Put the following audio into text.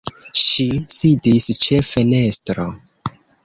Ŝi sidis ĉe fenestro.